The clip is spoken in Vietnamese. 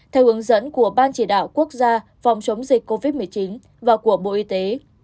theo hướng dẫn của ban chỉ đạo quốc gia phòng chống dịch covid một mươi chín và của bộ y tế